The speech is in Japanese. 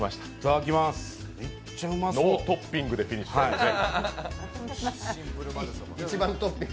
ノートッピングでフィニッシュというね。